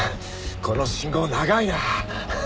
この信号長いな。